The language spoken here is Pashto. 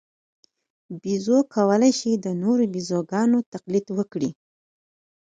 بیزو کولای شي د نورو بیزوګانو تقلید وکړي.